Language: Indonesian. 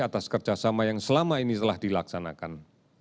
atas kerjasama yang selama ini telah dilaksanakan